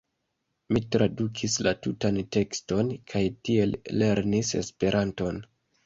Mi tradukis la tutan tekston kaj tiel lernis Esperanton.